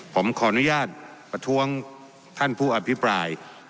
ผมขออนุญาตประท้วงท่านผู้อภิปราย